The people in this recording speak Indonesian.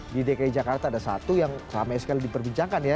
di dki jakarta ada satu yang ramai sekali diperbincangkan ya